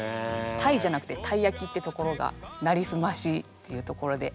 たいじゃなくてたいやきってところが「なりすまし」っていうところで。